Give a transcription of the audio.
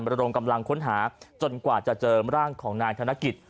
ระดมกำลังค้นหาจนกว่าจะเจอร่างของนายธนกิจ